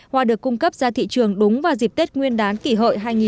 hoa được cung cấp ra thị trường đúng vào dịp tết nguyên đán kỷ hợi hai nghìn một mươi chín